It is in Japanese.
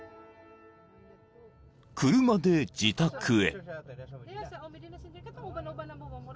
［車で自宅へ］